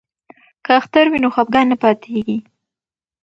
که اختر وي نو خفګان نه پاتیږي.